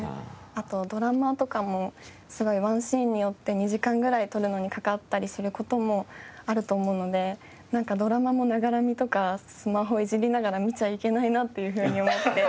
あとドラマとかもすごいワンシーンによって２時間ぐらい撮るのにかかったりする事もあると思うのでなんかドラマもながら見とかスマホいじりながら見ちゃいけないなというふうに思って。